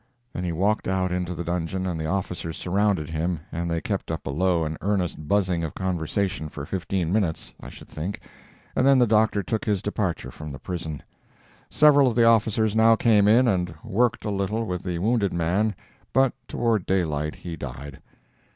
Then he walked out into the dungeon and the officers surrounded him, and they kept up a low and earnest buzzing of conversation for fifteen minutes, I should think, and then the doctor took his departure from the prison. Several of the officers now came in and worked a little with the wounded man, but toward daylight he died.